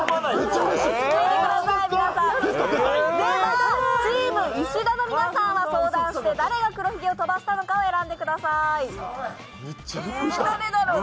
チーム石田の皆さんは相談して誰が黒ひげを飛ばしたのか選んでください。